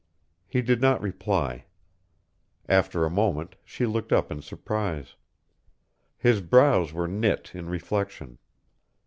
He did not reply. After a moment she looked up in surprise. His brows were knit in reflection.